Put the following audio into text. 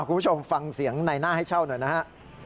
คุณผู้ชมฟังเสียงในหน้าให้เช่าหน่อยนะฮะ